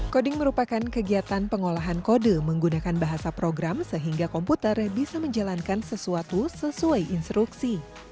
koding merupakan kegiatan pengolahan kode menggunakan bahasa program sehingga komputer bisa menjalankan sesuatu sesuai instruksi